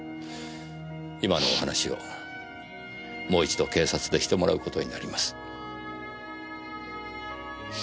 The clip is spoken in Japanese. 今のお話をもう一度警察でしてもらう事になります。